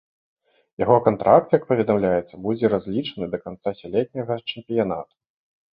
Яго кантракт, як паведамляецца, будзе разлічаны да канца сёлетняга чэмпіянату.